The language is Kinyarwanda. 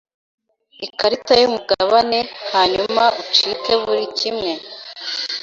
ikarita yumugabane hanyuma ucike buri kimwe